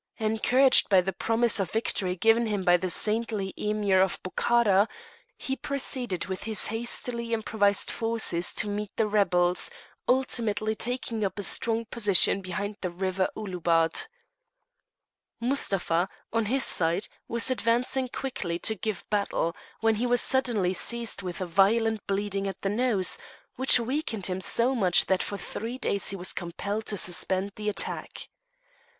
Encouraged by the promise of victory given him by the saintly Emir of Bokhara, he proceeded with his hastily improvised forces to meet the rebels, ultimately taking up a strong position behind the river Ouloubad. Mustapha, on his side, was advancing quickly to give battle, when he was suddenly seized with a violent bleeding at the nose, which weakened him so much that for three days he was compelled to suspend the attack.